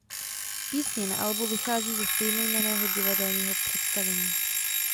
Písně na albu vychází ze stejnojmenného divadelního představení.